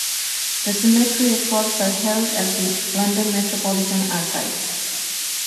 The cemetery records are held at the London Metropolitan Archives.